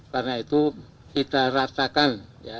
karena itu kita ratakan